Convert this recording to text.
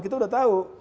kita sudah tahu